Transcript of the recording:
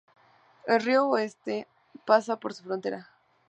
El río Oste pasa por su frontera.